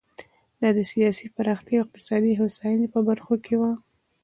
دا د سیاسي پراختیا او اقتصادي هوساینې په برخو کې و.